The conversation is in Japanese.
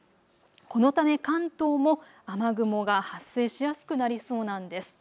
このため関東も雨雲が発生しやすくなりそうなんです。